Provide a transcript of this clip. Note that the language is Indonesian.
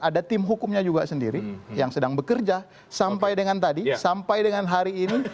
ada tim hukumnya juga sendiri yang sedang bekerja sampai dengan tadi sampai dengan hari ini